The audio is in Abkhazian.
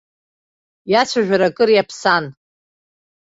Иацәажәара акыр иаԥсан.